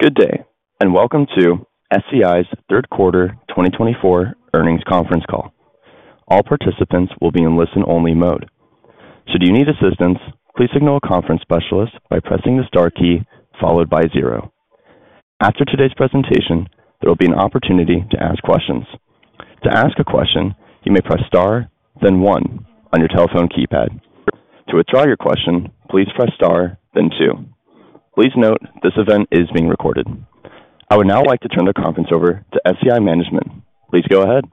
Good day, and welcome to SCI's third quarter 2024 earnings conference call. All participants will be in listen-only mode. Should you need assistance, please signal a conference specialist by pressing the star key followed by zero. After today's presentation, there will be an opportunity to ask questions. To ask a question, you may press star, then one, on your telephone keypad. To withdraw your question, please press star, then two. Please note this event is being recorded. I would now like to turn the conference over to SCI management. Please go ahead.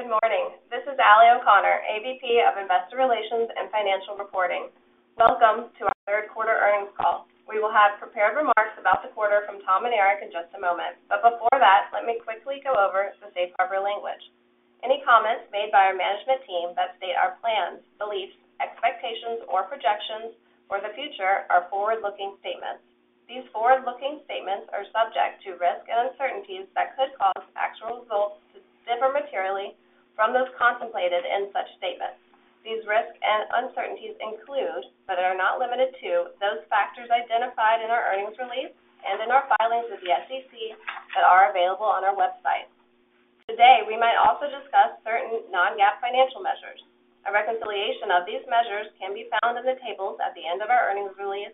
Good morning. This is Allie O'Connor, AVP of Investor Relations and Financial Reporting. Welcome to our third quarter earnings call. We will have prepared remarks about the quarter from Tom and Eric in just a moment, but before that, let me quickly go over the safe harbor language. Any comments made by our management team that state our plans, beliefs, expectations, or projections for the future are forward-looking statements. These forward-looking statements are subject to risk and uncertainties that could cause actual results to differ materially from those contemplated in such statements. These risks and uncertainties include, but are not limited to, those factors identified in our earnings release and in our filings with the SEC that are available on our website. Today, we might also discuss certain non-GAAP financial measures. A reconciliation of these measures can be found in the tables at the end of our earnings release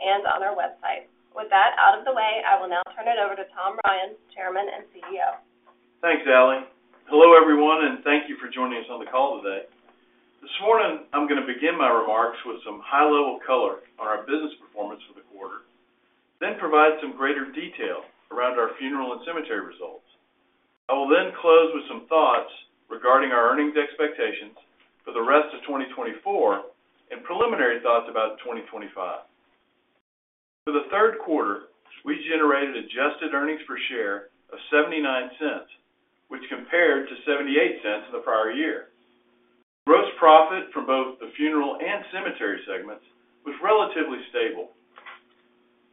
and on our website. With that out of the way, I will now turn it over to Tom Ryan, Chairman and CEO. Thanks, Allie. Hello, everyone, and thank you for joining us on the call today. This morning, I'm going to begin my remarks with some high-level color on our business performance for the quarter, then provide some greater detail around our funeral and cemetery results. I will then close with some thoughts regarding our earnings expectations for the rest of 2024 and preliminary thoughts about 2025. For the third quarter, we generated adjusted earnings per share of $0.79, which compared to $0.78 in the prior year. Gross profit from both the funeral and cemetery segments was relatively stable.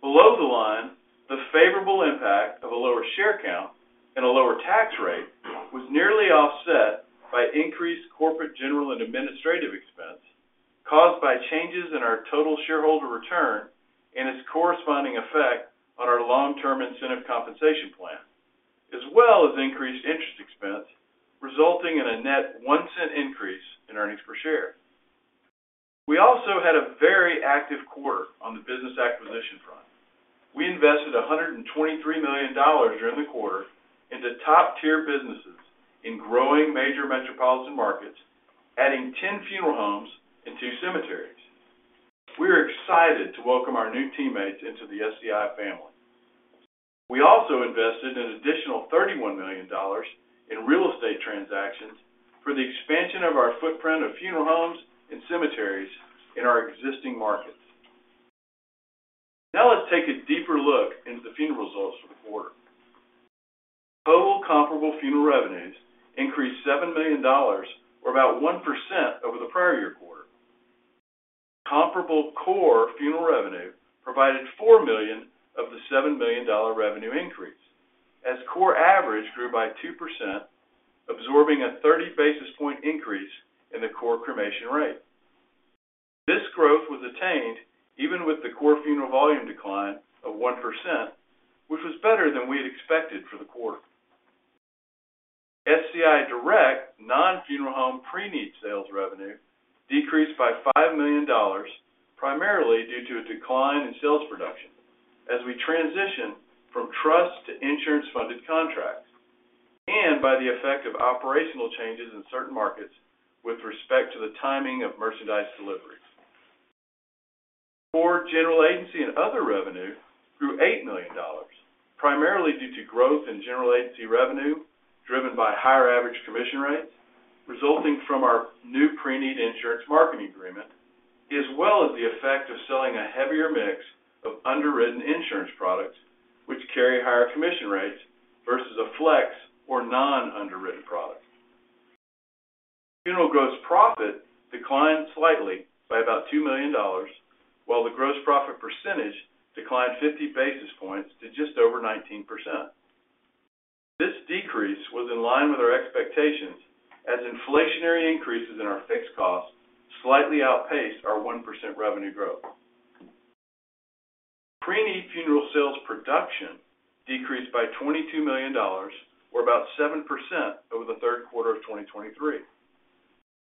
Below the line, the favorable impact of a lower share count and a lower tax rate was nearly offset by increased corporate general and administrative expense caused by changes in our total shareholder return and its corresponding effect on our long-term incentive compensation plan, as well as increased interest expense resulting in a net $0.01 increase in earnings per share. We also had a very active quarter on the business acquisition front. We invested $123 million during the quarter into top-tier businesses in growing major metropolitan markets, adding 10 funeral homes and two cemeteries. We are excited to welcome our new teammates into the SCI family. We also invested an additional $31 million in real estate transactions for the expansion of our footprint of funeral homes and cemeteries in our existing markets. Now, let's take a deeper look into the funeral results for the quarter. Total comparable funeral revenues increased $7 million, or about 1%, over the prior year quarter. Comparable core funeral revenue provided $4 million of the $7 million revenue increase, as core average grew by 2%, absorbing a 30 basis points increase in the core cremation rate. This growth was attained even with the core funeral volume decline of 1%, which was better than we had expected for the quarter. SCI Direct non-funeral home pre-need sales revenue decreased by $5 million, primarily due to a decline in sales production as we transitioned from trust to insurance-funded contracts and by the effect of operational changes in certain markets with respect to the timing of merchandise deliveries. Core general agency and other revenue grew $8 million, primarily due to growth in general agency revenue driven by higher average commission rates resulting from our new pre-need insurance marketing agreement, as well as the effect of selling a heavier mix of underwritten insurance products, which carry higher commission rates versus a flex or non-underwritten product. Funeral gross profit declined slightly by about $2 million, while the gross profit percentage declined 50 basis points to just over 19%. This decrease was in line with our expectations as inflationary increases in our fixed costs slightly outpaced our 1% revenue growth. Pre-need funeral sales production decreased by $22 million, or about 7%, over the third quarter of 2023.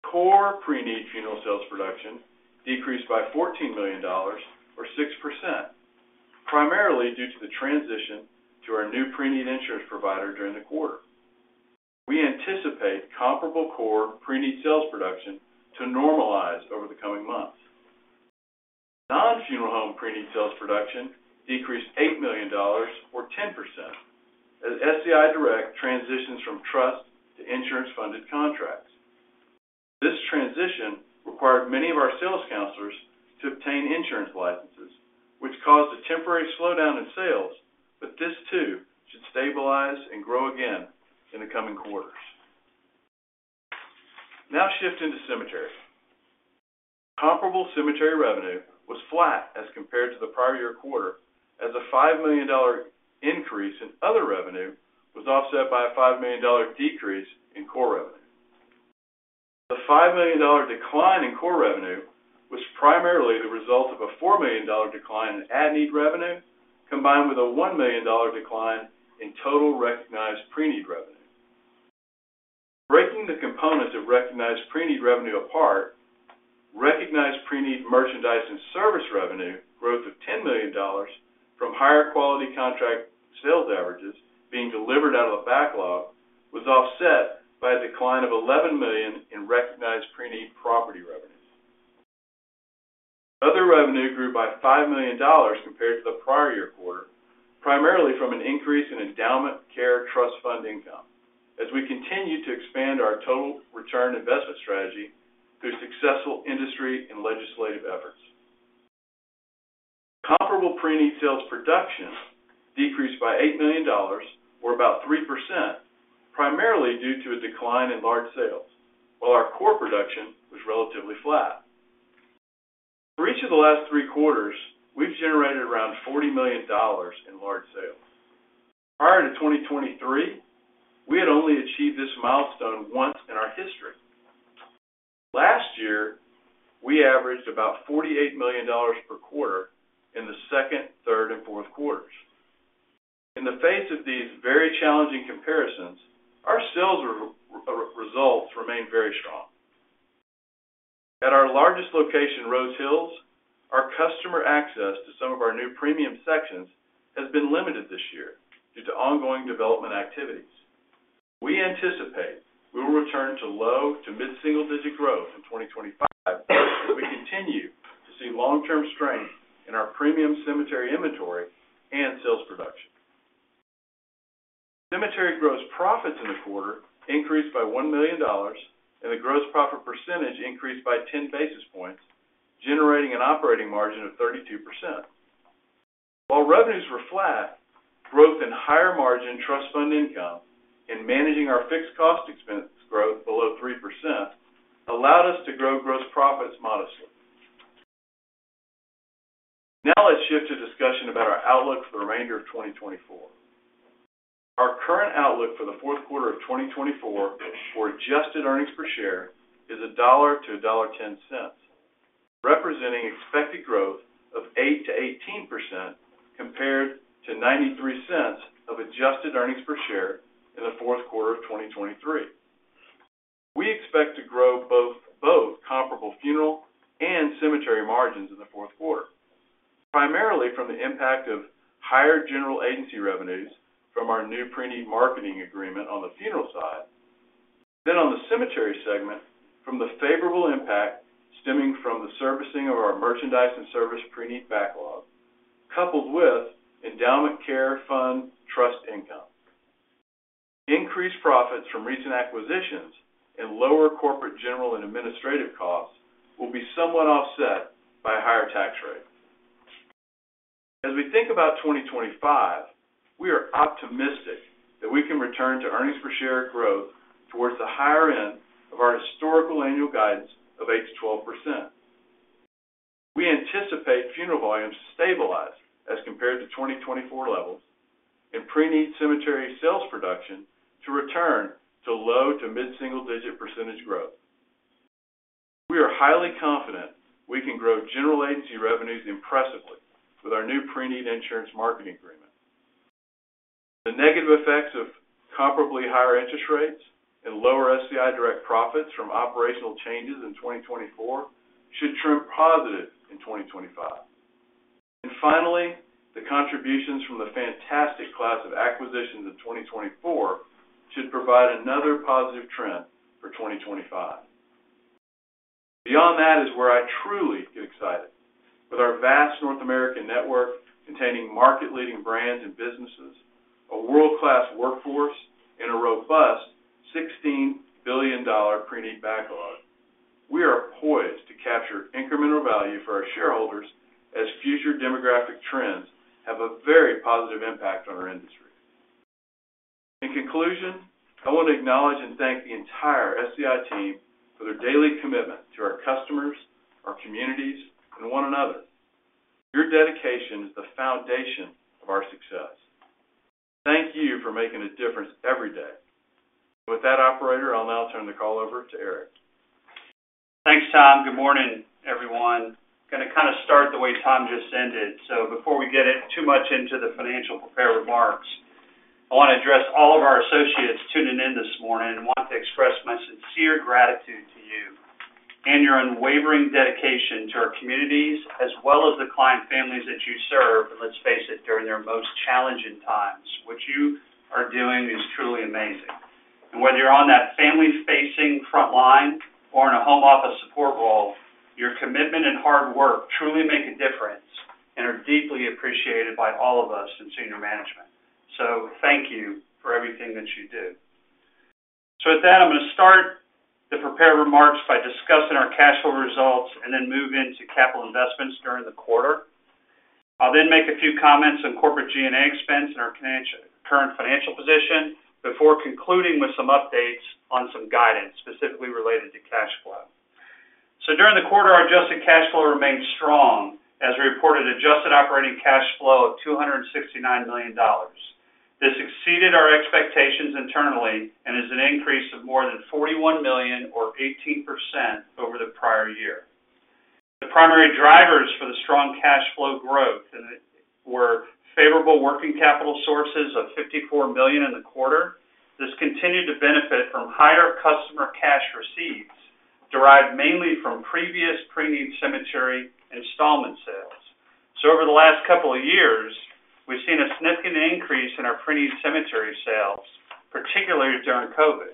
Core pre-need funeral sales production decreased by $14 million, or 6%, primarily due to the transition to our new pre-need insurance provider during the quarter. We anticipate comparable core pre-need sales production to normalize over the coming months. Non-funeral home pre-need sales production decreased $8 million, or 10%, as SCI Direct transitions from trust to insurance-funded contracts. This transition required many of our sales counselors to obtain insurance licenses, which caused a temporary slowdown in sales, but this too should stabilize and grow again in the coming quarters. Now, shift into cemetery. Comparable cemetery revenue was flat as compared to the prior year quarter, as a $5 million increase in other revenue was offset by a $5 million decrease in core revenue. The $5 million decline in core revenue was primarily the result of a $4 million decline in at-need revenue, combined with a $1 million decline in total recognized pre-need revenue. Breaking the components of recognized pre-need revenue apart, recognized pre-need merchandise and service revenue growth of $10 million from higher quality contract sales averages being delivered out of a backlog was offset by a decline of $11 million in recognized pre-need property revenue. Other revenue grew by $5 million compared to the prior year quarter, primarily from an increase in endowment care trust fund income, as we continue to expand our total return investment strategy through successful industry and legislative efforts. Comparable pre-need sales production decreased by $8 million, or about 3%, primarily due to a decline in large sales, while our core production was relatively flat. For each of the last three quarters, we've generated around $40 million in large sales. Prior to 2023, we had only achieved this milestone once in our history. Last year, we averaged about $48 million per quarter in the second, third, and fourth quarters. In the face of these very challenging comparisons, our sales results remain very strong. At our largest location, Rose Hills, our customer access to some of our new premium sections has been limited this year due to ongoing development activities. We anticipate we will return to low- to mid-single-digit growth in 2025 if we continue to see long-term strength in our premium cemetery inventory and sales production. Cemetery gross profits in the quarter increased by $1 million, and the gross profit percentage increased by 10 basis points, generating an operating margin of 32%. While revenues were flat, growth in higher margin trust fund income and managing our fixed cost expense growth below 3% allowed us to grow gross profits modestly. Now, let's shift to discussion about our outlook for the remainder of 2024. Our current outlook for the fourth quarter of 2024 for adjusted earnings per share is $1-$1.10, representing expected growth of 8%-18% compared to $0.93 of adjusted earnings per share in the fourth quarter of 2023. We expect to grow both comparable funeral and cemetery margins in the fourth quarter, primarily from the impact of higher general agency revenues from our new pre-need marketing agreement on the funeral side, then on the cemetery segment from the favorable impact stemming from the servicing of our merchandise and service pre-need backlog, coupled with endowment care fund trust income. Increased profits from recent acquisitions and lower corporate general and administrative costs will be somewhat offset by a higher tax rate. As we think about 2025, we are optimistic that we can return to earnings per share growth towards the higher end of our historical annual guidance of 8%-12%. We anticipate funeral volumes stabilize as compared to 2024 levels and pre-need cemetery sales production to return to low- to mid-single-digit percentage growth. We are highly confident we can grow general agency revenues impressively with our new pre-need insurance marketing agreement. The negative effects of comparatively higher interest rates and lower SCI Direct profits from operational changes in 2024 should turn positive in 2025. And finally, the contributions from the fantastic slate of acquisitions in 2024 should provide another positive trend for 2025. Beyond that is where I truly get excited. With our vast North American network containing market-leading brands and businesses, a world-class workforce, and a robust $16 billion pre-need backlog, we are poised to capture incremental value for our shareholders as future demographic trends have a very positive impact on our industry. In conclusion, I want to acknowledge and thank the entire SCI team for their daily commitment to our customers, our communities, and one another. Your dedication is the foundation of our success. Thank you for making a difference every day. With that, Operator, I'll now turn the call over to Eric. Thanks, Tom. Good morning, everyone. Going to kind of start the way Tom just ended. So before we get too much into the financial prepared remarks, I want to address all of our associates tuning in this morning and want to express my sincere gratitude to you and your unwavering dedication to our communities, as well as the client families that you serve, and let's face it, during their most challenging times. What you are doing is truly amazing. And whether you're on that family-facing frontline or in a home office support role, your commitment and hard work truly make a difference and are deeply appreciated by all of us in senior management. So thank you for everything that you do. So with that, I'm going to start the prepared remarks by discussing our cash flow results and then move into capital investments during the quarter. I'll then make a few comments on corporate G&A expense and our current financial position before concluding with some updates on some guidance specifically related to cash flow. So during the quarter, our adjusted cash flow remained strong as we reported adjusted operating cash flow of $269 million. This exceeded our expectations internally and is an increase of more than $41 million, or 18%, over the prior year. The primary drivers for the strong cash flow growth were favorable working capital sources of $54 million in the quarter. This continued to benefit from higher customer cash receipts derived mainly from previous pre-need cemetery installment sales. So over the last couple of years, we've seen a significant increase in our pre-need cemetery sales, particularly during COVID.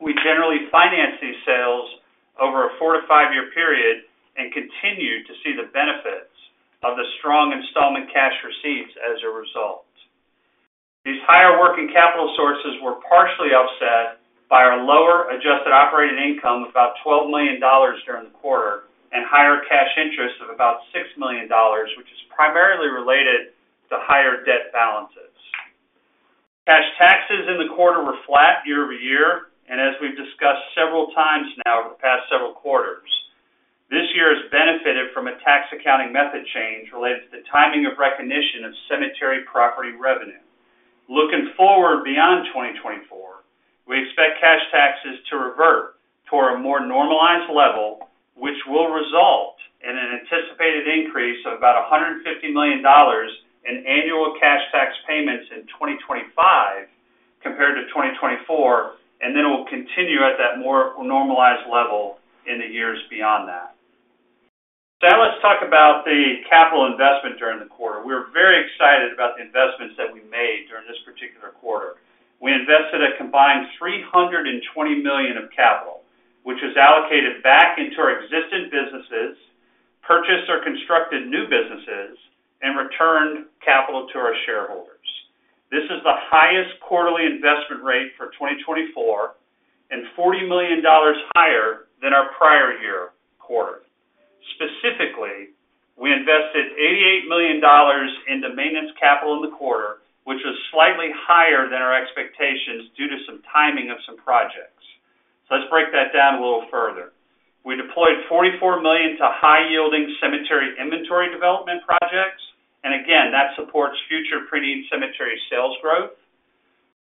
We generally financed these sales over a four- to five-year period and continue to see the benefits of the strong installment cash receipts as a result. These higher working capital sources were partially offset by our lower adjusted operating income of about $12 million during the quarter and higher cash interest of about $6 million, which is primarily related to higher debt balances. Cash taxes in the quarter were flat year-over-year, and as we've discussed several times now over the past several quarters, this year has benefited from a tax accounting method change related to the timing of recognition of cemetery property revenue. Looking forward beyond 2024, we expect cash taxes to revert to a more normalized level, which will result in an anticipated increase of about $150 million in annual cash tax payments in 2025 compared to 2024, and then it will continue at that more normalized level in the years beyond that. Now, let's talk about the capital investment during the quarter. We're very excited about the investments that we made during this particular quarter. We invested a combined $320 million of capital, which was allocated back into our existing businesses, purchased or constructed new businesses, and returned capital to our shareholders. This is the highest quarterly investment rate for 2024 and $40 million higher than our prior year quarter. Specifically, we invested $88 million into maintenance capital in the quarter, which was slightly higher than our expectations due to some timing of some projects. So let's break that down a little further. We deployed $44 million to high-yielding cemetery inventory development projects, and again, that supports future pre-need cemetery sales growth,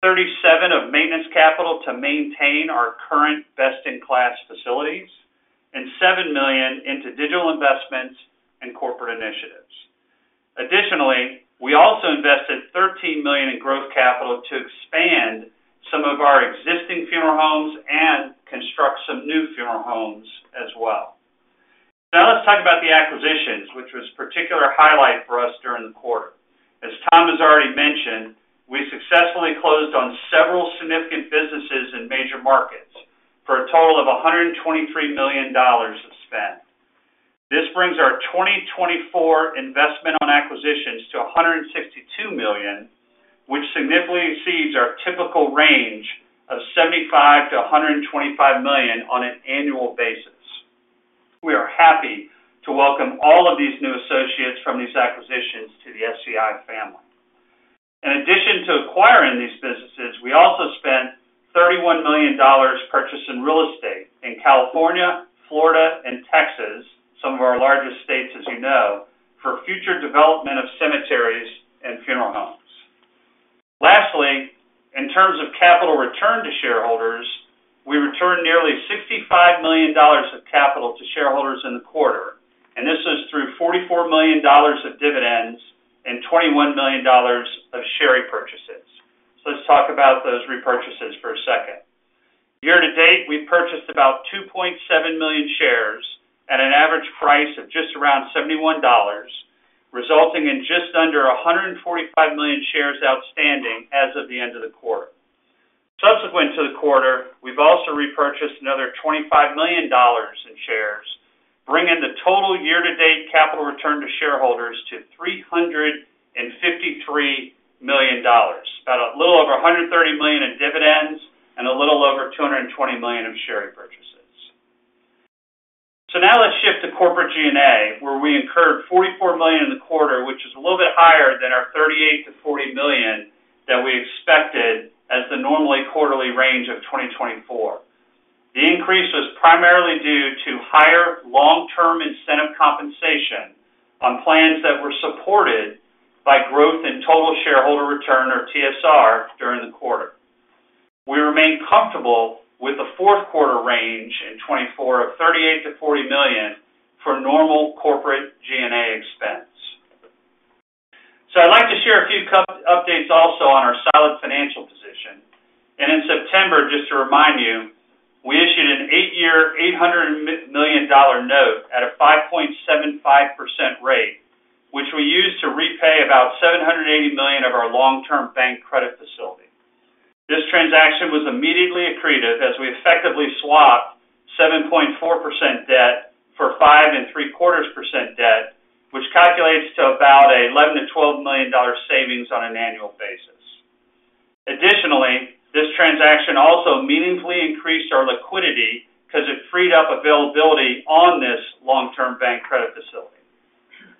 $37 million of maintenance capital to maintain our current best-in-class facilities, and $7 million into digital investments and corporate initiatives. Additionally, we also invested $13 million in growth capital to expand some of our existing funeral homes and construct some new funeral homes as well. Now, let's talk about the acquisitions, which was a particular highlight for us during the quarter. As Tom has already mentioned, we successfully closed on several significant businesses in major markets for a total of $123 million of spend. This brings our 2024 investment on acquisitions to $162 million, which significantly exceeds our typical range of $75 million-$125 million on an annual basis. We are happy to welcome all of these new associates from these acquisitions to the SCI family. In addition to acquiring these businesses, we also spent $31 million purchasing real estate in California, Florida, and Texas, some of our largest states, as you know, for future development of cemeteries and funeral homes. Lastly, in terms of capital return to shareholders, we returned nearly $65 million of capital to shareholders in the quarter, and this was through $44 million of dividends and $21 million of share repurchases. So let's talk about those repurchases for a second. Year to date, we've purchased about 2.7 million shares at an average price of just around $71, resulting in just under 145 million shares outstanding as of the end of the quarter. Subsequent to the quarter, we've also repurchased another $25 million in shares, bringing the total year-to-date capital return to shareholders to $353 million, about a little over $130 million in dividends and a little over $220 million of share repurchases. So now let's shift to corporate G&A, where we incurred $44 million in the quarter, which is a little bit higher than our $38 million-$40 million that we expected as the normally quarterly range of 2024. The increase was primarily due to higher long-term incentive compensation on plans that were supported by growth in total shareholder return, or TSR, during the quarter. We remain comfortable with the fourth quarter range in 2024 of $38 million-$40 million for normal corporate G&A expense. So I'd like to share a few updates also on our solid financial position. In September, just to remind you, we issued an eight-year $800 million note at a 5.75% rate, which we used to repay about $780 million of our long-term bank credit facility. This transaction was immediately accretive as we effectively swapped 7.4% debt for 5.75% debt, which calculates to about $11 million-$12 million savings on an annual basis. Additionally, this transaction also meaningfully increased our liquidity because it freed up availability on this long-term bank credit facility.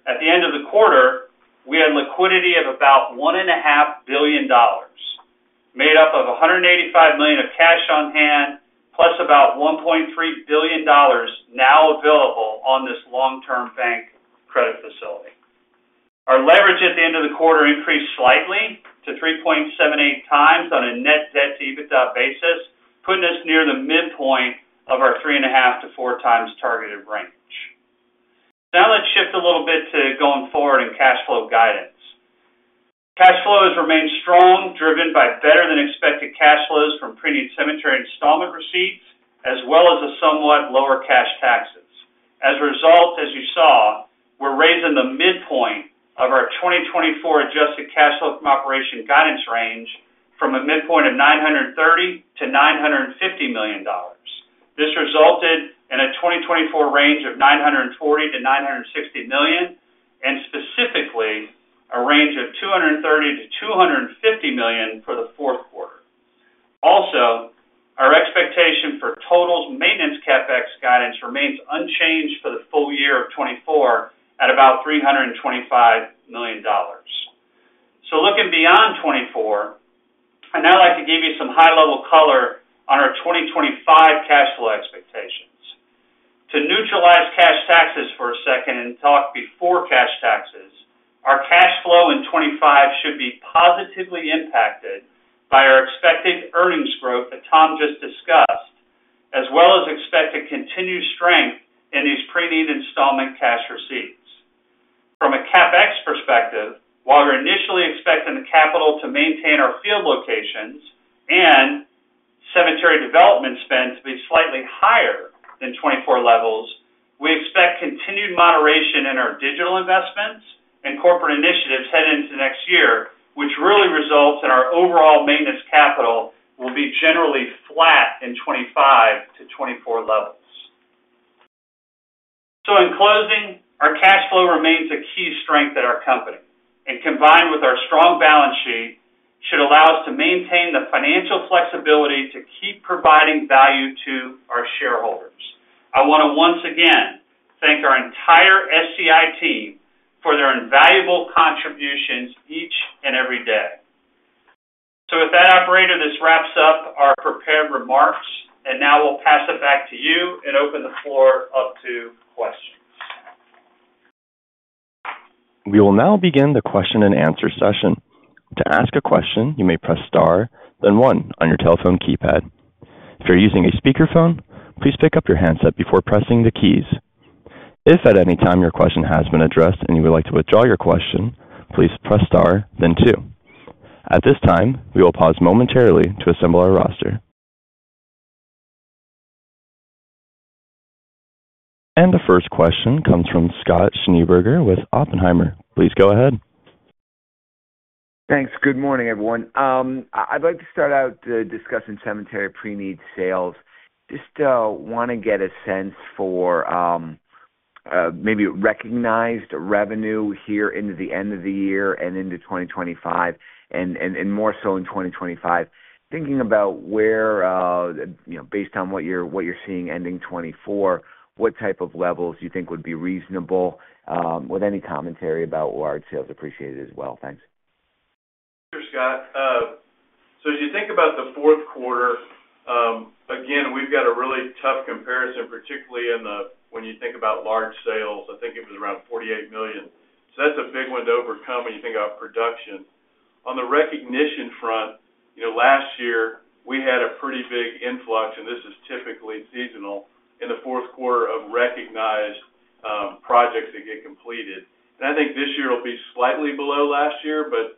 At the end of the quarter, we had liquidity of about $1.5 billion, made up of $185 million of cash on hand, plus about $1.3 billion now available on this long-term bank credit facility. Our leverage at the end of the quarter increased slightly to 3.78x on a net debt-to-EBITDA basis, putting us near the midpoint of our 3.5x-4.0x targeted range. Now let's shift a little bit to going forward in cash flow guidance. Cash flows remained strong, driven by better-than-expected cash flows from pre-need cemetery installment receipts, as well as a somewhat lower cash taxes. As a result, as you saw, we're raising the midpoint of our 2024 adjusted cash flow from operations guidance range from a midpoint of $930 million-$950 million. This resulted in a 2024 range of $940 million-$960 million, and specifically a range of $230 million-$250 million for the fourth quarter. Also, our expectation for total maintenance CapEx guidance remains unchanged for the full year of 2024 at about $325 million. So looking beyond 2024, I'd now like to give you some high-level color on our 2025 cash flow expectations. To neutralize cash taxes for a second and talk before cash taxes, our cash flow in 2025 should be positively impacted by our expected earnings growth that Tom just discussed, as well as expect a continued strength in these pre-need installment cash receipts. From a CapEx perspective, while we're initially expecting the capital to maintain our field locations and cemetery development spend to be slightly higher than 2024 levels, we expect continued moderation in our digital investments and corporate initiatives heading into next year, which really results in our overall maintenance capital will be generally flat in 2025 to 2024 levels. In closing, our cash flow remains a key strength at our company, and combined with our strong balance sheet, should allow us to maintain the financial flexibility to keep providing value to our shareholders. I want to once again thank our entire SCI team for their invaluable contributions each and every day. So with that, Operator, this wraps up our prepared remarks, and now we'll pass it back to you and open the floor up to questions. We will now begin the question-and-answer session. To ask a question, you may press star, then one on your telephone keypad. If you're using a speakerphone, please pick up your handset before pressing the keys. If at any time your question has been addressed and you would like to withdraw your question, please press star, then two. At this time, we will pause momentarily to assemble our roster, and the first question comes from Scott Schneeberger with Oppenheimer. Please go ahead. Thanks. Good morning, everyone. I'd like to start out discussing cemetery pre-need sales. Just want to get a sense for maybe recognized revenue here into the end of the year and into 2025, and more so in 2025. Thinking about where, based on what you're seeing ending 2024, what type of levels you think would be reasonable, with any commentary about large sales, appreciated as well. Thanks. Thank you, Scott. So as you think about the fourth quarter, again, we've got a really tough comparison, particularly when you think about large sales. I think it was around $48 million. So that's a big one to overcome when you think about production. On the recognition front, last year, we had a pretty big influx, and this is typically seasonal, in the fourth quarter of recognized projects that get completed. And I think this year will be slightly below last year, but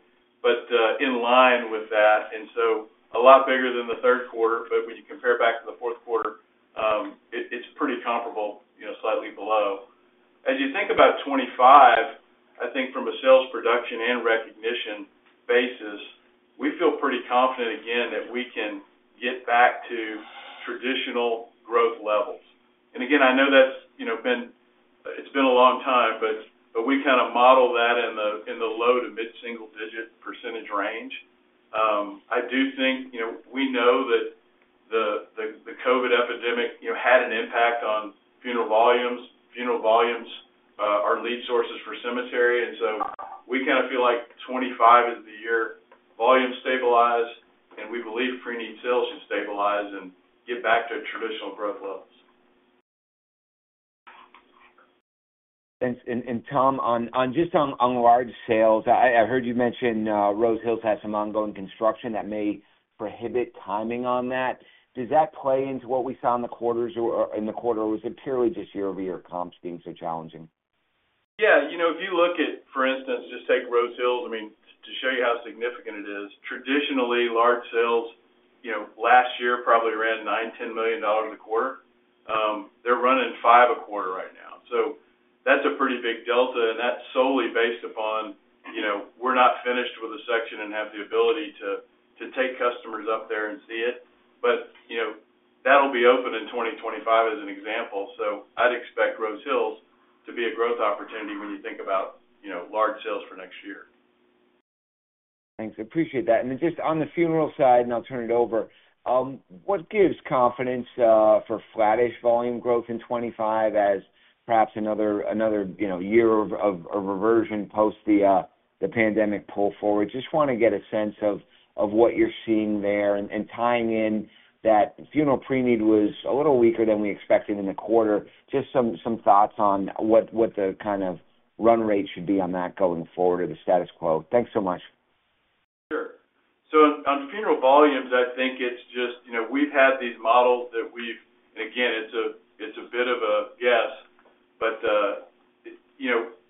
in line with that. And so a lot bigger than the third quarter, but when you compare it back to the fourth quarter, it's pretty comparable, slightly below. As you think about 2025, I think from a sales production and recognition basis, we feel pretty confident, again, that we can get back to traditional growth levels. And again, I know that's been a long time, but we kind of model that in the low- to mid-single-digit percentage range. I do think we know that the COVID epidemic had an impact on funeral volumes. Funeral volumes are lead sources for cemetery, and so we kind of feel like 2025 is the year volumes stabilize, and we believe pre-need sales should stabilize and get back to traditional growth levels. Thanks. And Tom, just on large sales, I heard you mention Rose Hills has some ongoing construction that may prohibit timing on that. Does that play into what we saw in the quarters, or was it purely just year-over-year comps being so challenging? Yeah. If you look at, for instance, just take Rose Hills, I mean, to show you how significant it is, traditionally, large sales last year probably ran $9 illion-$10 million a quarter. They're running $5 million a quarter right now. So that's a pretty big delta, and that's solely based upon we're not finished with a section and have the ability to take customers up there and see it, but that'll be open in 2025 as an example. So I'd expect Rose Hills to be a growth opportunity when you think about large sales for next year. Thanks. Appreciate that. And just on the funeral side, and I'll turn it over, what gives confidence for flattish volume growth in 2025 as perhaps another year of reversion post the pandemic pull forward? Just want to get a sense of what you're seeing there and tying in that funeral pre-need was a little weaker than we expected in the quarter. Just some thoughts on what the kind of run rate should be on that going forward or the status quo. Thanks so much. Sure. So on funeral volumes, I think it's just we've had these models that we've and again, it's a bit of a guess, but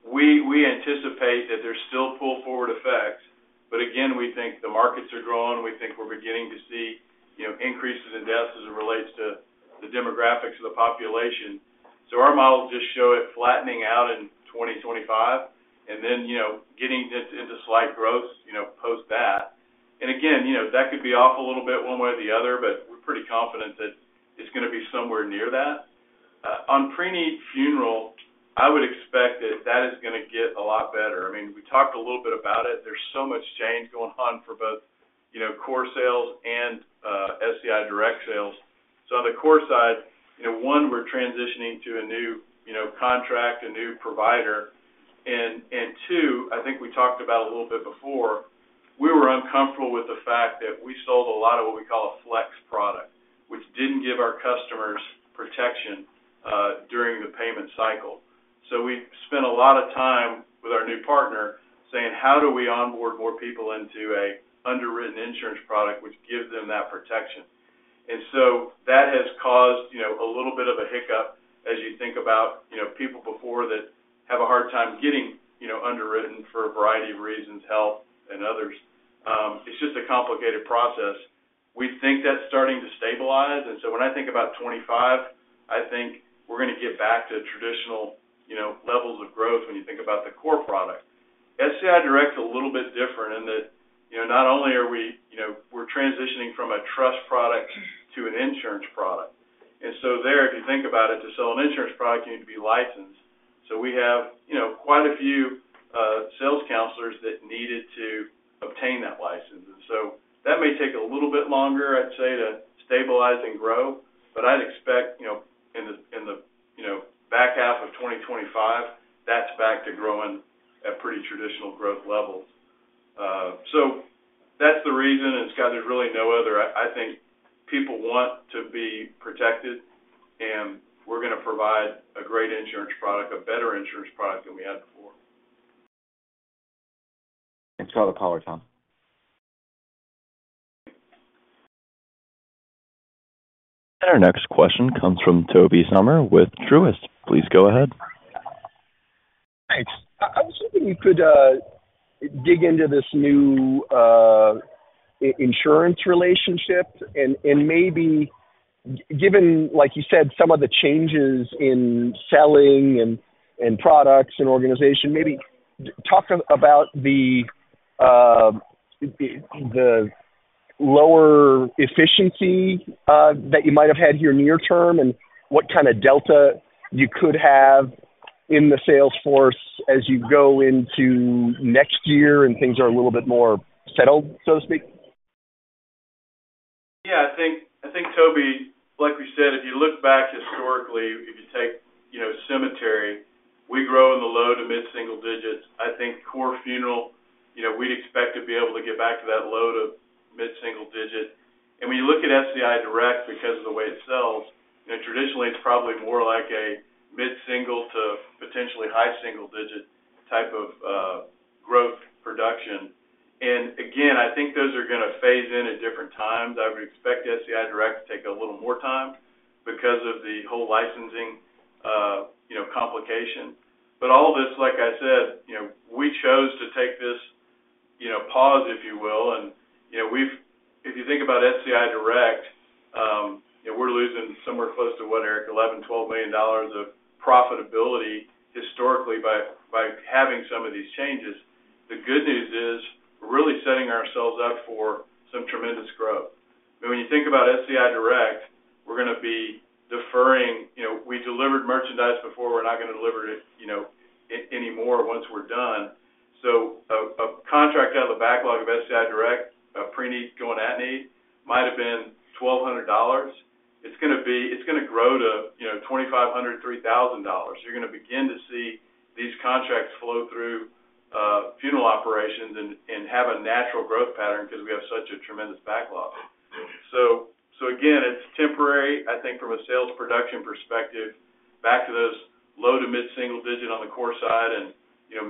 we anticipate that there's still pull-forward effects. But again, we think the markets are growing. We think we're beginning to see increases in deaths as it relates to the demographics of the population. So our models just show it flattening out in 2025 and then getting into slight growth post that. And again, that could be off a little bit one way or the other, but we're pretty confident that it's going to be somewhere near that. On pre-need funeral, I would expect that that is going to get a lot better. I mean, we talked a little bit about it. There's so much change going on for both core sales and SCI Direct sales. So on the core side, one, we're transitioning to a new contract, a new provider. And two, I think we talked about a little bit before, we were uncomfortable with the fact that we sold a lot of what we call a flex product, which didn't give our customers protection during the payment cycle. So we spent a lot of time with our new partner saying, "How do we onboard more people into an underwritten insurance product, which gives them that protection?" And so that has caused a little bit of a hiccup as you think about people before that have a hard time getting underwritten for a variety of reasons, health and others. It's just a complicated process. We think that's starting to stabilize. And so when I think about 2025, I think we're going to get back to traditional levels of growth when you think about the core product. SCI Direct's a little bit different in that not only are we transitioning from a trust product to an insurance product. And so there, if you think about it, to sell an insurance product, you need to be licensed. So we have quite a few sales counselors that needed to obtain that license. And so that may take a little bit longer, I'd say, to stabilize and grow, but I'd expect in the back half of 2025, that's back to growing at pretty traditional growth levels. So that's the reason. And Scott, there's really no other. I think people want to be protected, and we're going to provide a great insurance product, a better insurance product than we had before. Thanks for all the questions, Tom. Our next question comes from Tobey Sommer with Truist. Please go ahead. Thanks. I was hoping you could dig into this new insurance relationship and maybe, given, like you said, some of the changes in selling and products and organization, maybe talk about the lower efficiency that you might have had here near term and what kind of delta you could have in the sales force as you go into next year and things are a little bit more settled, so to speak? Yeah. I think, Tobey, like we said, if you look back historically, if you take cemetery, we grow in the low- to mid-single-digits. I think core funeral, we'd expect to be able to get back to that low- to mid-single-digit. And when you look at SCI Direct because of the way it sells, traditionally, it's probably more like a mid-single- to potentially high-single-digit type of growth production. And again, I think those are going to phase in at different times. I would expect SCI Direct to take a little more time because of the whole licensing complication. But all this, like I said, we chose to take this pause, if you will. And if you think about SCI Direct, we're losing somewhere close to what, Eric, $11 million-$12 million of profitability historically by having some of these changes. The good news is we're really setting ourselves up for some tremendous growth. When you think about SCI Direct, we're going to be deferring. We delivered merchandise before. We're not going to deliver it anymore once we're done. So a contract out of the backlog of SCI Direct, a pre-need going at need, might have been $1,200. It's going to grow to $2,500, $3,000. You're going to begin to see these contracts flow through funeral operations and have a natural growth pattern because we have such a tremendous backlog. So again, it's temporary, I think, from a sales production perspective, back to those low- to mid-single digit on the core side and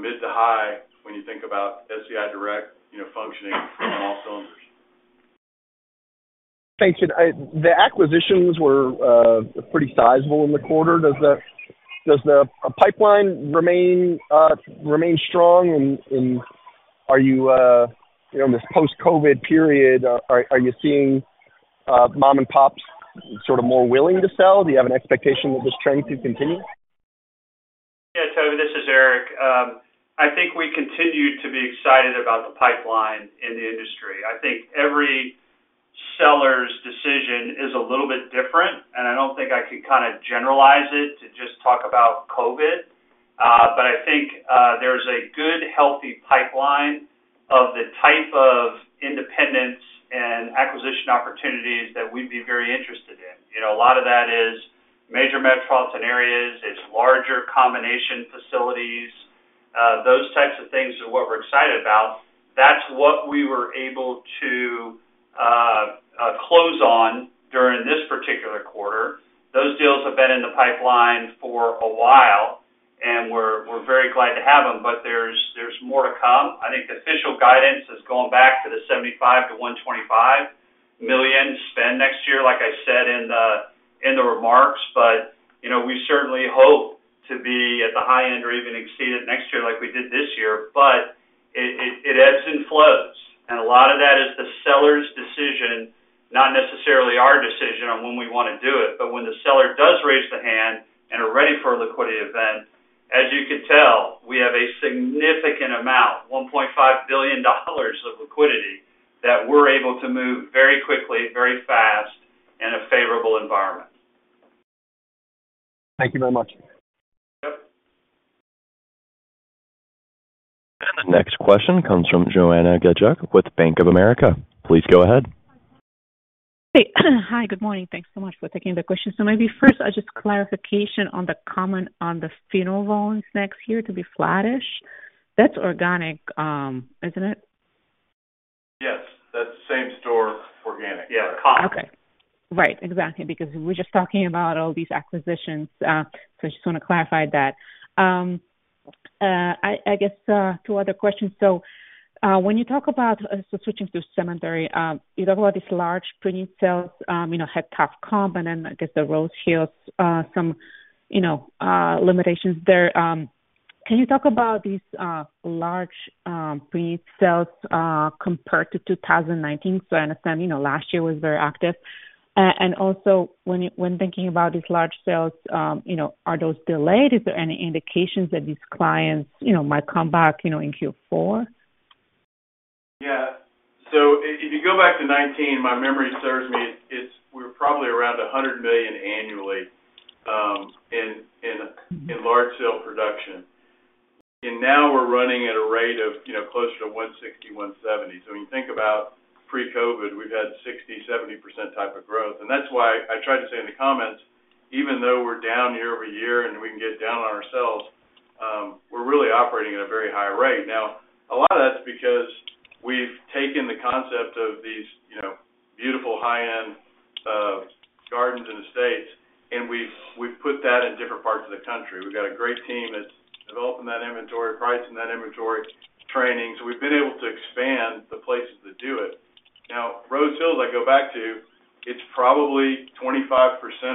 mid to high when you think about SCI Direct functioning from all cylinders. Thanks. The acquisitions were pretty sizable in the quarter. Does the pipeline remain strong? And are you in this post-COVID period, are you seeing mom and pops sort of more willing to sell? Do you have an expectation that this trend could continue? Yeah. Tobey, this is Eric. I think we continue to be excited about the pipeline in the industry. I think every seller's decision is a little bit different, and I don't think I can kind of generalize it to just talk about COVID, but I think there's a good, healthy pipeline of the type of independent and acquisition opportunities that we'd be very interested in. A lot of that is major metropolitan areas. It's larger combination facilities. Those types of things are what we're excited about. That's what we were able to close on during this particular quarter. Those deals have been in the pipeline for a while, and we're very glad to have them, but there's more to come. I think official guidance is going back to the $75 million-$125 million spend next year, like I said in the remarks, but we certainly hope to be at the high end or even exceed it next year like we did this year, but it ebbs and flows, and a lot of that is the seller's decision, not necessarily our decision on when we want to do it, but when the seller does raise the hand and are ready for a liquidity event. As you can tell, we have a significant amount, $1.5 billion of liquidity that we're able to move very quickly, very fast, in a favorable environment. Thank you very much. Yep. The next question comes from Joanna Gajuk with Bank of America. Please go ahead. Hey. Hi. Good morning. Thanks so much for taking the question. So maybe first, just clarification on the comment on the funeral volumes next year to be flattish. That's organic, isn't it? Yes. That's same-store, organic. Yeah. Comp. Okay. Right. Exactly. Because we're just talking about all these acquisitions, so I just want to clarify that. I guess two other questions. So when you talk about switching to cemetery, you talk about these large pre-need sales, had tough comp, and then I guess the Rose Hills, some limitations there. Can you talk about these large pre-need sales compared to 2019? So I understand last year was very active. And also, when thinking about these large sales, are those delayed? Is there any indications that these clients might come back in Q4? Yeah. So if you go back to 2019, my memory serves me, we were probably around $100 million annually in large sale production. And now we're running at a rate of closer to $160 million-$170 million. So when you think about pre-COVID, we've had 60%-70% type of growth. And that's why I tried to say in the comments, even though we're down year-over-year and we can get down on ourselves, we're really operating at a very high rate. Now, a lot of that's because we've taken the concept of these beautiful high-end gardens and estates, and we've put that in different parts of the country. We've got a great team that's developing that inventory, pricing that inventory, training. So we've been able to expand the places that do it. Now, Rose Hills, I go back to, it's probably 25%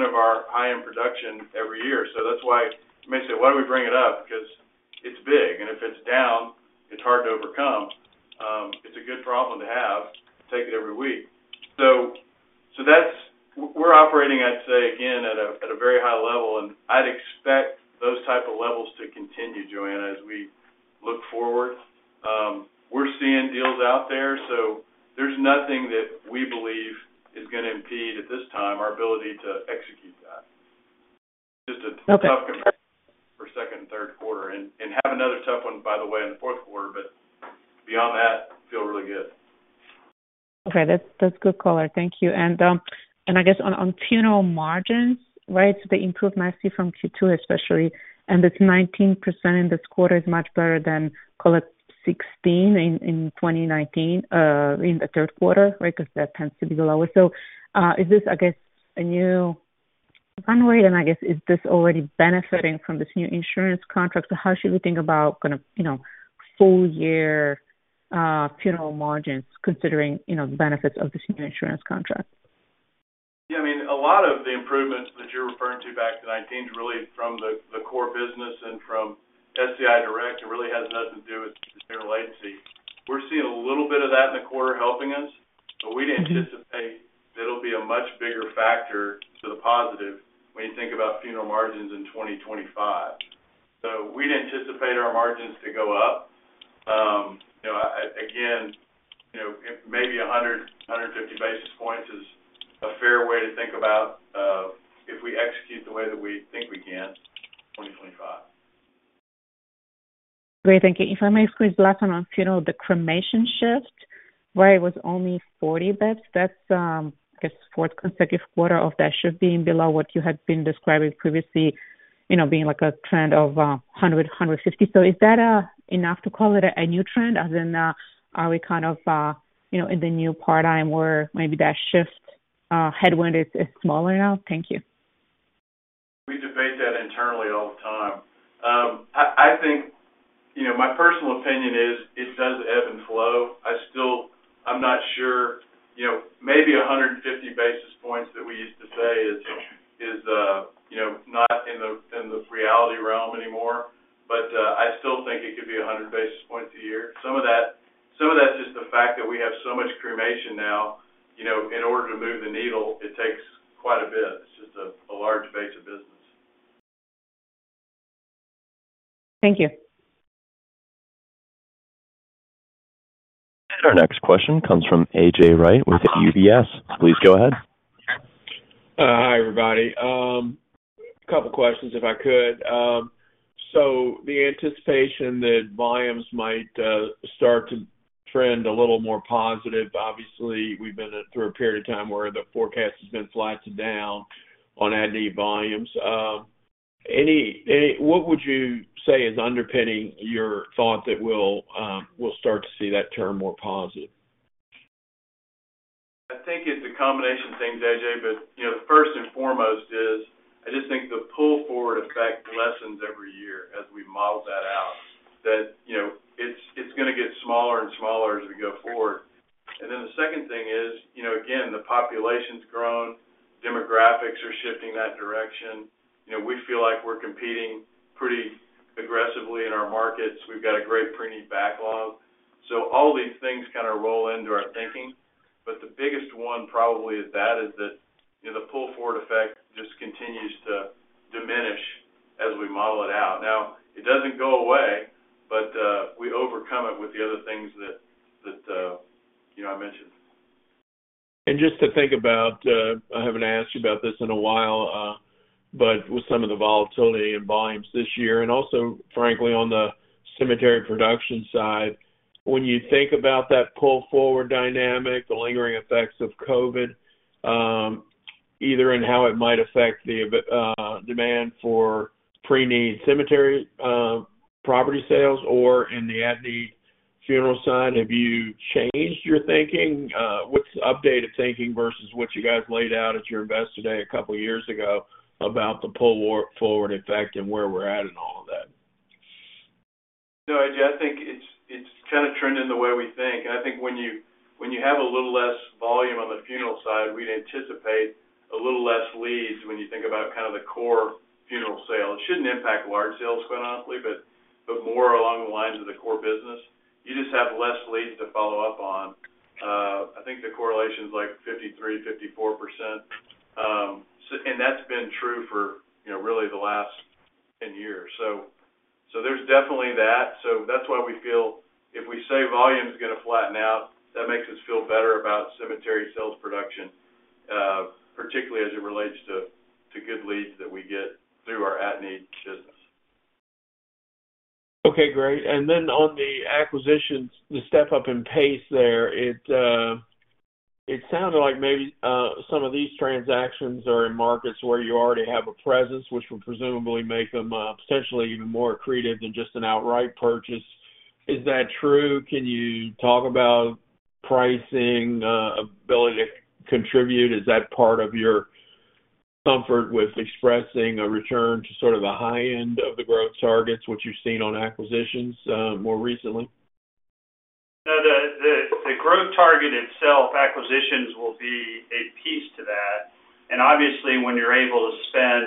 of our high-end production every year. So that's why you may say, "Why do we bring it up?" Because it's big. And if it's down, it's hard to overcome. It's a good problem to have. Take it every week. So we're operating, I'd say, again, at a very high level, and I'd expect those type of levels to continue, Joanna, as we look forward. We're seeing deals out there, so there's nothing that we believe is going to impede at this time our ability to execute that. Just a tough commitment for second and third quarter. And have another tough one, by the way, in the fourth quarter, but beyond that, feel really good. Okay. That's good color. Thank you. And I guess on funeral margins, right, so they improved nicely from Q2, especially, and it's 19% in this quarter is much better than call it 16% in 2019 in the third quarter, right, because that tends to be the lowest. So is this, I guess, a new runway? And I guess, is this already benefiting from this new insurance contract? So how should we think about kind of full-year funeral margins considering the benefits of this new insurance contract? Yeah. I mean, a lot of the improvements that you're referring to back to 2019 is really from the core business and from SCI Direct. It really has nothing to do with their latency. We're seeing a little bit of that in the quarter helping us, but we didn't anticipate that it'll be a much bigger factor to the positive when you think about funeral margins in 2025. So we didn't anticipate our margins to go up. Again, maybe 100-150 basis points is a fair way to think about if we execute the way that we think we can in 2025. Great. Thank you. If I may squeeze last on the funeral, the cremation shift, right, was only 40 basis points. That's, I guess, fourth consecutive quarter of that should be below what you had been describing previously, being like a trend of 100, 150. So is that enough to call it a new trend? As in, are we kind of in the new paradigm where maybe that shift headwind is smaller now? Thank you. We debate that internally all the time. I think my personal opinion is it does ebb and flow. I'm not sure. Maybe 150 basis points that we used to say is not in the reality realm anymore, but I still think it could be 100 basis points a year. Some of that's just the fact that we have so much cremation now. In order to move the needle, it takes quite a bit. It's just a large base of business. Thank you. And our next question comes from A.J. Rice with UBS. Please go ahead. Hi, everybody. A couple of questions, if I could. So the anticipation that volumes might start to trend a little more positive, obviously, we've been through a period of time where the forecast has been flat to down on at-need volumes. What would you say is underpinning your thought that we'll start to see that turn more positive? I think it's a combination of things, AJ, but first and foremost is I just think the pull forward effect lessens every year as we model that out, that it's going to get smaller and smaller as we go forward. And then the second thing is, again, the population's grown, demographics are shifting that direction. We feel like we're competing pretty aggressively in our markets. We've got a great pre-need backlog. So all these things kind of roll into our thinking. But the biggest one probably is that the pull forward effect just continues to diminish as we model it out. Now, it doesn't go away, but we overcome it with the other things that I mentioned. And just to think about, I haven't asked you about this in a while, but with some of the volatility in volumes this year, and also, frankly, on the cemetery production side, when you think about that pull forward dynamic, the lingering effects of COVID, either in how it might affect the demand for pre-need cemetery property sales or in the at-need funeral side, have you changed your thinking? What's updated thinking versus what you guys laid out at your Investor Day a couple of years ago about the pull forward effect and where we're at in all of that? No, AJ, I think it's kind of trending the way we think. I think when you have a little less volume on the funeral side, we'd anticipate a little less leads when you think about kind of the core funeral sales. It shouldn't impact large sales, quite honestly, but more along the lines of the core business. You just have less leads to follow up on. I think the correlation's like 53%-54%, and that's been true for really the last 10 years, so there's definitely that. So that's why we feel if we say volume's going to flatten out, that makes us feel better about cemetery sales production, particularly as it relates to good leads that we get through our at-need business. Okay. Great. And then on the acquisitions, the step up in pace there, it sounded like maybe some of these transactions are in markets where you already have a presence, which would presumably make them potentially even more accretive than just an outright purchase. Is that true? Can you talk about pricing, ability to contribute? Is that part of your comfort with expressing a return to sort of the high end of the growth targets, what you've seen on acquisitions more recently? No, the growth target itself, acquisitions will be a piece to that. And obviously, when you're able to spend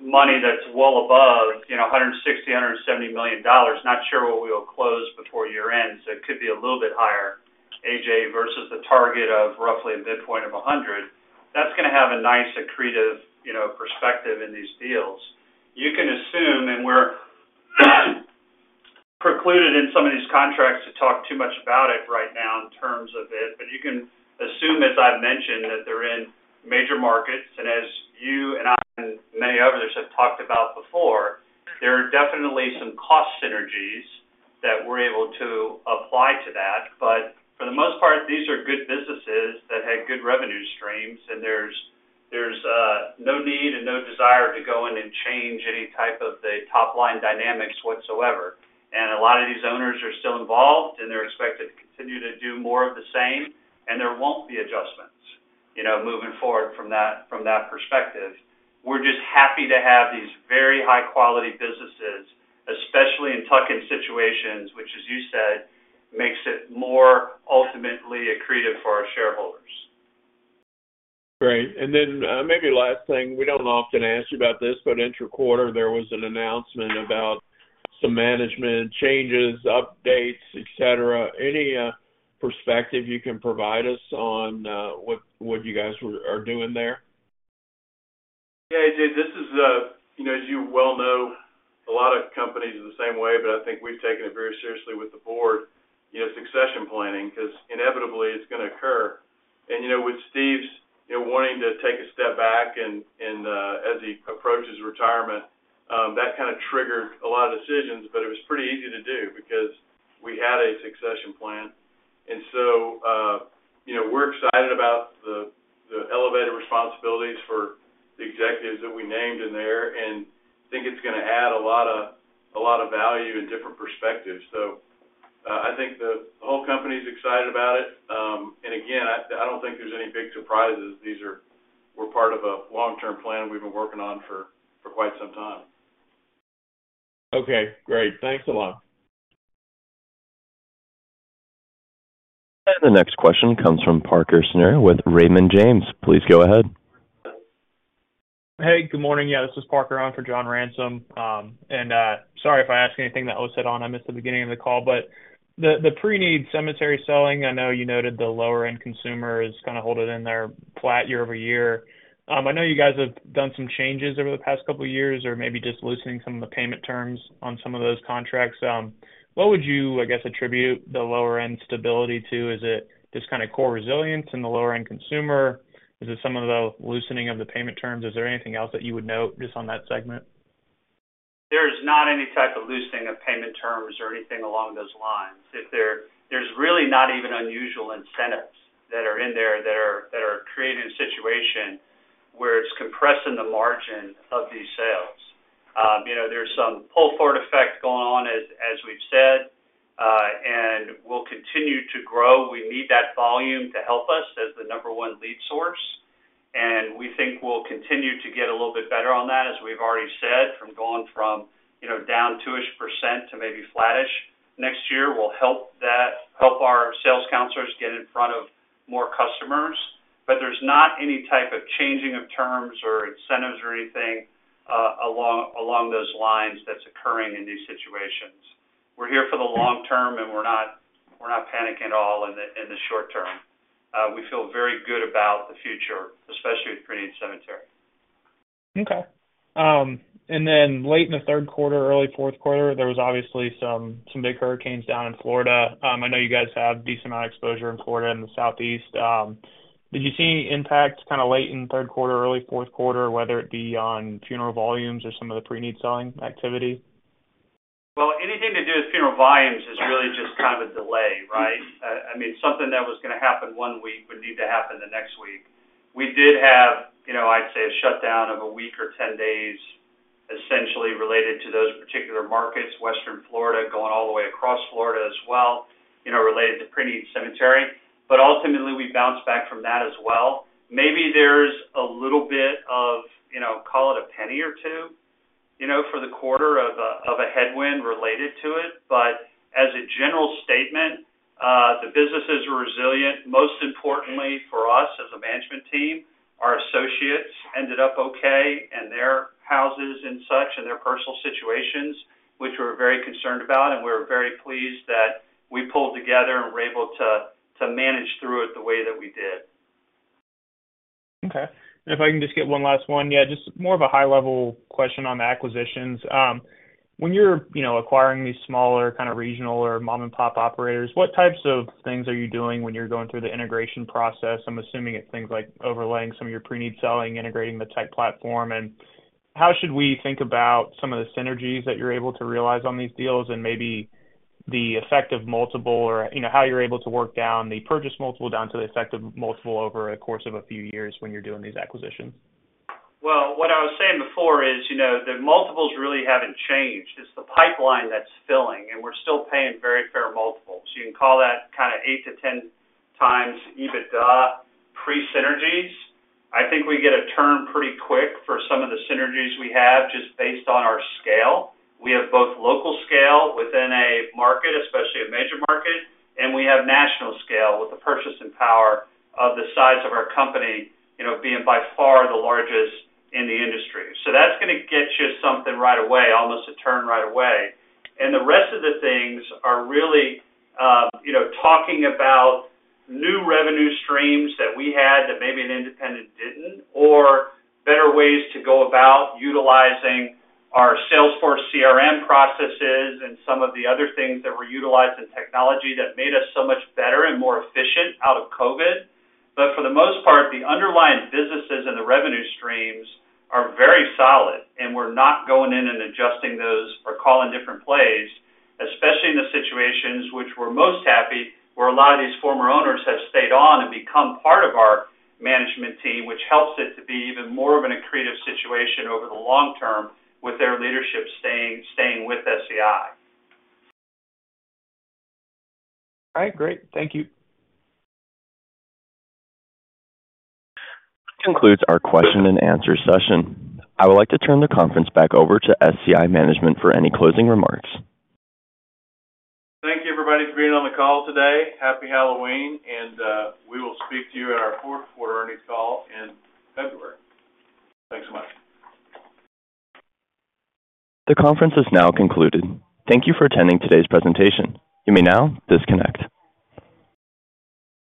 money that's well above $160 million-$170 million, not sure what we'll close before year-end, so it could be a little bit higher, AJ, versus the target of roughly a midpoint of $100 million. That's going to have a nice accretive perspective in these deals. You can assume, and we're precluded in some of these contracts to talk too much about it right now in terms of it, but you can assume, as I've mentioned, that they're in major markets. And as you and I and many others have talked about before, there are definitely some cost synergies that we're able to apply to that. But for the most part, these are good businesses that had good revenue streams, and there's no need and no desire to go in and change any type of the top-line dynamics whatsoever. And a lot of these owners are still involved, and they're expected to continue to do more of the same, and there won't be adjustments moving forward from that perspective. We're just happy to have these very high-quality businesses, especially in tuck-in situations, which, as you said, makes it more ultimately accretive for our shareholders. Great. And then maybe last thing, we don't often ask you about this, but interquarter, there was an announcement about some management changes, updates, etc. Any perspective you can provide us on what you guys are doing there? Yeah, AJ, this is, as you well know, a lot of companies the same way, but I think we've taken it very seriously with the board, succession planning, because inevitably, it's going to occur, and with Steve's wanting to take a step back as he approaches retirement, that kind of triggered a lot of decisions, but it was pretty easy to do because we had a succession plan, and so we're excited about the elevated responsibilities for the executives that we named in there, and I think it's going to add a lot of value and different perspectives, so I think the whole company's excited about it, and again, I don't think there's any big surprises. These were part of a long-term plan we've been working on for quite some time. Okay. Great. Thanks a lot. The next question comes from Parker Snure with Raymond James. Please go ahead. Hey, good morning. Yeah, this is Parker. I'm for John Ransom, and sorry if I ask anything that was said on. I missed the beginning of the call, but the pre-need cemetery sales, I know you noted the lower-end consumer is kind of holding in there flat year-over-year. I know you guys have done some changes over the past couple of years or maybe just loosening some of the payment terms on some of those contracts. What would you, I guess, attribute the lower-end stability to? Is it just kind of core resilience and the lower-end consumer? Is it some of the loosening of the payment terms? Is there anything else that you would note just on that segment? There's not any type of loosening of payment terms or anything along those lines. There's really not even unusual incentives that are in there that are creating a situation where it's compressing the margin of these sales. There's some pull forward effect going on, as we've said, and we'll continue to grow. We need that volume to help us as the number one lead source. And we think we'll continue to get a little bit better on that, as we've already said, from going from down 2-ish% to maybe flattish next year. We'll help our sales counselors get in front of more customers. But there's not any type of changing of terms or incentives or anything along those lines that's occurring in these situations. We're here for the long term, and we're not panicking at all in the short term. We feel very good about the future, especially with pre-need cemetery. Okay. And then late in the third quarter, early fourth quarter, there was obviously some big hurricanes down in Florida. I know you guys have a decent amount of exposure in Florida and the Southeast. Did you see any impact kind of late in the third quarter, early fourth quarter, whether it be on funeral volumes or some of the pre-need selling activity? Anything to do with funeral volumes is really just kind of a delay, right? I mean, something that was going to happen one week would need to happen the next week. We did have, I'd say, a shutdown of a week or 10 days essentially related to those particular markets, Western Florida going all the way across Florida as well, related to pre-need cemetery. But ultimately, we bounced back from that as well. Maybe there's a little bit of, call it a penny or two for the quarter of a headwind related to it. But as a general statement, the businesses were resilient. Most importantly for us as a management team, our associates ended up okay, and their houses and such and their personal situations, which we were very concerned about. We were very pleased that we pulled together and were able to manage through it the way that we did. Okay. And if I can just get one last one, yeah, just more of a high-level question on the acquisitions. When you're acquiring these smaller kind of regional or mom-and-pop operators, what types of things are you doing when you're going through the integration process? I'm assuming it's things like overlaying some of your pre-need selling, integrating the tech platform. And how should we think about some of the synergies that you're able to realize on these deals and maybe the effective multiple or how you're able to work down the purchase multiple down to the effective multiple over the course of a few years when you're doing these acquisitions? What I was saying before is the multiples really haven't changed. It's the pipeline that's filling, and we're still paying very fair multiples. You can call that kind of 8x-10x EBITDA pre-synergies. I think we get a term pretty quick for some of the synergies we have just based on our scale. We have both local scale within a market, especially a major market, and we have national scale with the purchase and power of the size of our company being by far the largest in the industry. So that's going to get you something right away, almost a turn right away. And the rest of the things are really talking about new revenue streams that we had that maybe an independent didn't or better ways to go about utilizing our Salesforce CRM processes and some of the other things that were utilized in technology that made us so much better and more efficient out of COVID. But for the most part, the underlying businesses and the revenue streams are very solid, and we're not going in and adjusting those or calling different plays, especially in the situations which we're most happy where a lot of these former owners have stayed on and become part of our management team, which helps it to be even more of an accretive situation over the long term with their leadership staying with SCI. All right. Great. Thank you. That concludes our question and answer session. I would like to turn the conference back over to SCI Management for any closing remarks. Thank you, everybody, for being on the call today. Happy Halloween, and we will speak to you at our fourth quarter earnings call in February. Thanks so much. The conference is now concluded. Thank you for attending today's presentation. You may now disconnect.